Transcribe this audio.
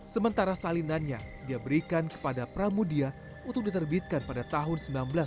sementara salinannya dia berikan kepada pramudia untuk diterbitkan pada tahun seribu sembilan ratus sembilan puluh